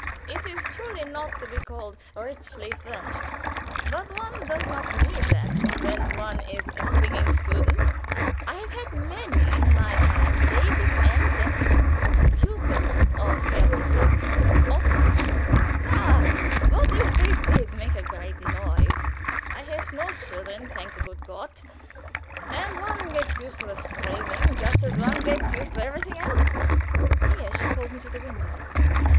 It is truly not to be called richly furnished, but one doesn't need that when one is a Sing student. I have had many in my time ladies and gentlemen too pupils of Herr von Francius often. Na! what if they did make a great noise? I have no children thank the good God! and one gets used to the screaming just as one gets used to everything else." Here she called me to the window.